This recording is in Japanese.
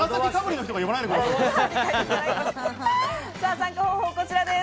参加方法はこちらです。